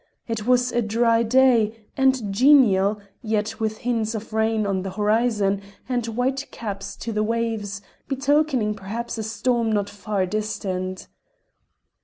It was a dry day and genial, yet with hints of rain on the horizon and white caps to the waves, betokening perhaps a storm not far distant.